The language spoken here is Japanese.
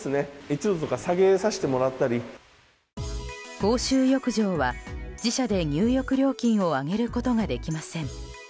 公衆浴場は自社で入浴料金を上げることができません。